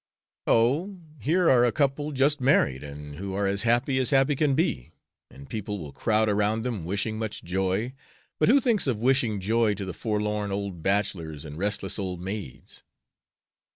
"Oh, here are a couple just married, and who are as happy as happy can be; and people will crowd around them wishing much joy; but who thinks of wishing joy to the forlorn old bachelors and restless old maids?"